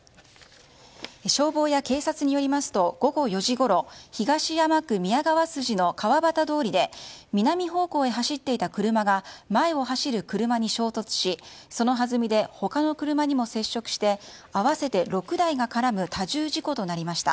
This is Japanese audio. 消防や警察によりますと午後４時ごろ東山区宮川筋のカワバタ通りで南方向に走っていた車が前を走る車に衝突しそのはずみで他の車にも接触して合わせて６台が絡む多重事故となりました。